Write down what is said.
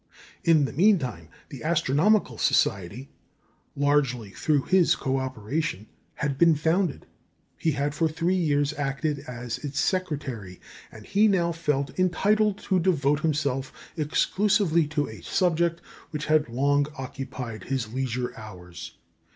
In the meantime the Astronomical Society (largely through his co operation) had been founded; he had for three years acted as its secretary, and he now felt entitled to devote himself exclusively to a subject which had long occupied his leisure hours.